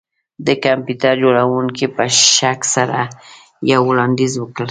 د کمپیوټر جوړونکي په شک سره یو وړاندیز وکړ